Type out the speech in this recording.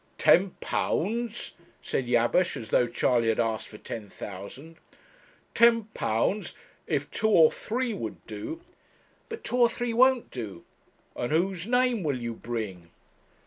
'Ten pounds!' said Jabesh, as though Charley had asked for ten thousand 'ten pounds! if two or three would do ' 'But two or three won't do.' 'And whose name will you bring?'